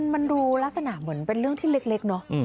มันดูลักษณะเหมือนเป็นเรื่องที่เล็กเนอะ